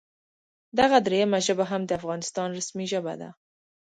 دغه دریمه ژبه هم د افغانستان رسمي ژبه ده